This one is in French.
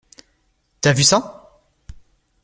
T'as vu ça?